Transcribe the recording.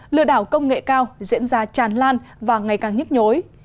lừa đảo công nghệ cao diễn ra tràn lan và ngày càng nhức nhối